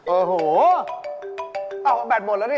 โอ้โฮแบตหมดแล้วนี่